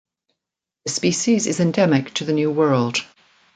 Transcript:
The species is endemic to the New World.